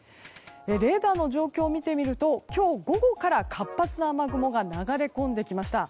レーダーの状況を見てみると今日午後から活発な雨雲が流れ込んできました。